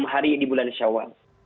enam hari di bulan syawal